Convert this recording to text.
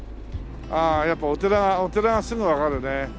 ああやっぱお寺はお寺はすぐわかるね。